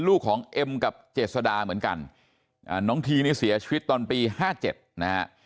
ลูกของเอ็มกับเจษดาเหมือนกันน้องทีนี้เสียชีวิตตอนปี๕๗นะฮะ